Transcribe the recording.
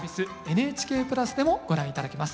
「ＮＨＫプラス」でもご覧頂けます。